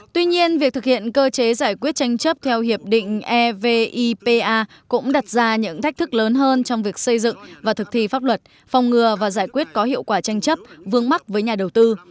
tuy nhiên việc thực hiện cơ chế giải quyết tranh chấp theo hiệp định evipa cũng đặt ra những thách thức lớn hơn trong việc xây dựng và thực thi pháp luật phòng ngừa và giải quyết có hiệu quả tranh chấp vương mắc với nhà đầu tư